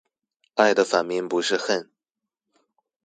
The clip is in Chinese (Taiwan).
愛的反面不是恨